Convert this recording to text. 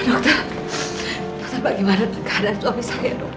maksudnya bagaimana keadaan suami saya